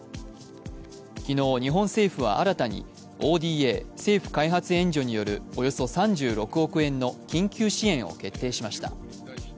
昨日、日本政府は新たにＯＤＡ＝政府開発援助によるおよそ３６億円の緊急支援を決定しました。